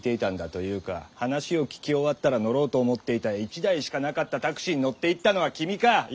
というか話を聞き終わったら乗ろうと思っていた１台しかなかったタクシーに乗っていったのは君かッ！